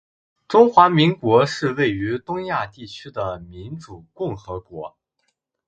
中华民国是位于东亚地区的民主共和国